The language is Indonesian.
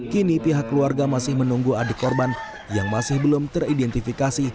kini pihak keluarga masih menunggu adik korban yang masih belum teridentifikasi